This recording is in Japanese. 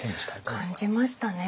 感じましたね。